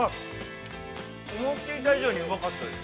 ◆思っていた以上にうまかったです。